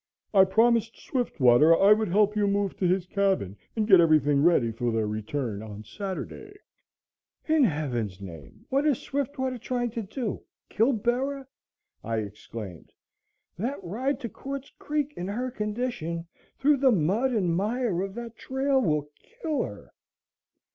I promised Swiftwater I would help you move to his cabin and get everything ready for their return on Saturday." "In Heaven's name, what is Swiftwater trying to do kill Bera?" I exclaimed. "That ride to Quartz Creek in her condition, through the mud and mire of that trail, will kill her."